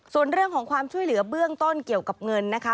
ส่วนเรื่องของความช่วยเหลือเบื้องต้นเกี่ยวกับเงินนะคะ